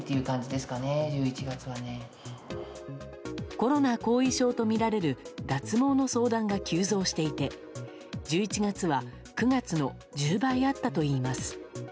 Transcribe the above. コロナ後遺症とみられる脱毛の相談が急増していて１１月は９月の１０倍あったといいます。